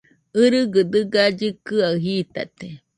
ɨgɨgɨ dɨga llɨkɨaɨ jitate